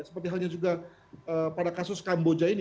seperti halnya juga pada kasus kamboja ini